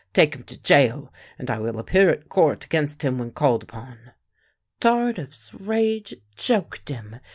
Take him to gaol, and I will appear at court against him when called upon," Tardif's rage choked him.